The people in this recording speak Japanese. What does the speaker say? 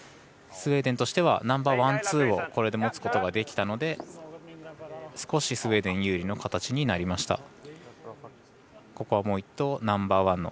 スウェーデンとしてはナンバーワン、ツーをこれで持つことができたので少し、スウェーデン有利の形になりました。